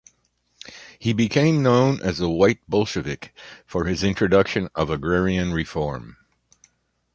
He became known as a "white Bolshevik" for his introduction of agrarian reform.